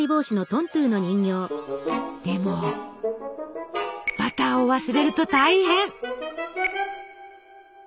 でもバターを忘れると大変！